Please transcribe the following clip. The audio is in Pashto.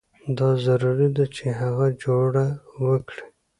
دا ضروري ده چې هغه جوړه وکړي.